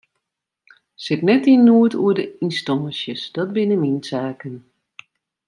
Sit net yn noed oer de ynstânsjes, dat binne myn saken.